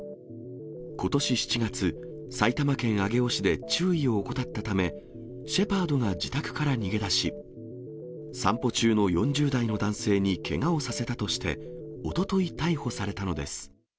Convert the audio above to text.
ことし７月、埼玉県上尾市で注意を怠ったため、シェパードが自宅から逃げ出し、散歩中の４０代の男性にけがをさせたとして、おととい、逮捕されたのです。